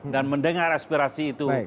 dan mendengar aspirasi itu